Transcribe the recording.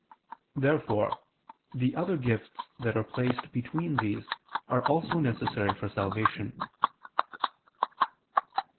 Therefore the other gifts that are placed between these are also necessary for salvation.